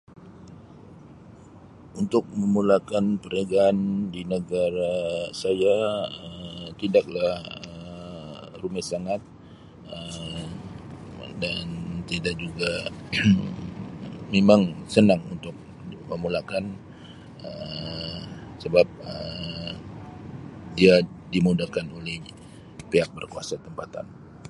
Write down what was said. Untuk memulakan perniagaan di negara saya Um tidak lah rumit sangat, Um dan tidak juga memang senang untuk memulakan Um sebab Um dia dimudahkan oleh ni pihak berkuasa tempatan.